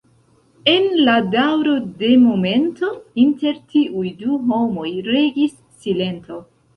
En la daŭro de momento inter tiuj du homoj regis silento.